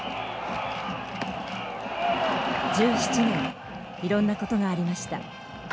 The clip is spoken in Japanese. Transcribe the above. １７年いろんなことがありました。